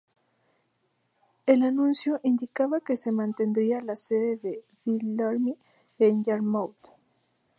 El anuncio indicaba que se mantendría la sede de DeLorme en Yarmouth.